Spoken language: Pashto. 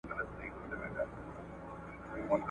تړون درلودی